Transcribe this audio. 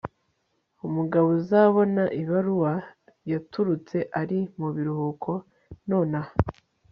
Umugabo uzabona ibaruwa yaturutse ari mubiruhuko nonaha